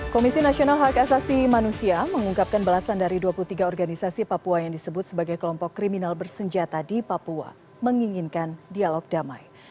komisi nasional hak asasi manusia mengungkapkan belasan dari dua puluh tiga organisasi papua yang disebut sebagai kelompok kriminal bersenjata di papua menginginkan dialog damai